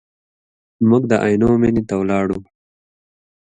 موږ د عینو مینې ته ولاړو.